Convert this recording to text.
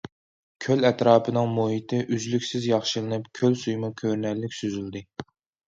كۆل ئەتراپىنىڭ مۇھىتى ئۈزلۈكسىز ياخشىلىنىپ، كۆل سۈيىمۇ كۆرۈنەرلىك سۈزۈلدى.